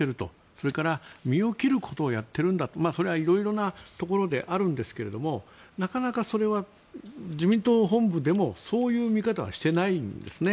それから身を切ることをやっているんだそれは色々なところであるんですがなかなかそれは自民党本部でもそういう見方はしていないんですね。